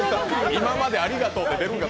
今までありがとうって。